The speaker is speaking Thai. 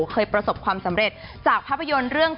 เคยประสบความสำเร็จจากภาพยนตร์เรื่อง